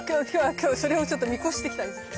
今日はそれをちょっと見越して来たんですよ。